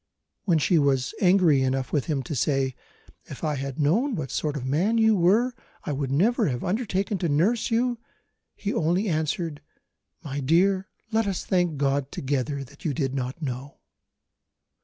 When she was angry enough with him to say, "If I had known what sort of man you were, I would never have undertaken to nurse you," he only answered, "my dear, let us thank God together that you did not know."